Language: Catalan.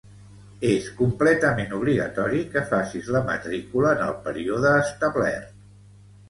És completament obligatori que facis la matrícula en el període establert.